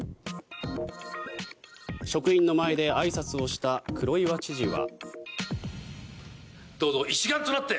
職員の前であいさつをした黒岩知事は。